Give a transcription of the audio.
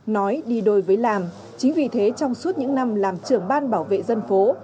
nói đi đôi với làm chính vì thế trong suốt những năm làm trưởng ban bảo vệ dân phố